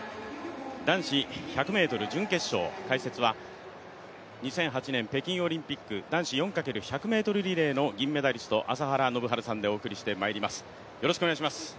男子１００ｍ準決勝、解説は２００８年北京オリンピック、男子４×１００ｍリレー銀メダリスト、朝原宣治さんでお送りしてまいります。